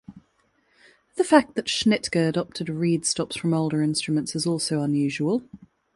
The fact that Schnitger adopted reed stops from older instruments is also unusual.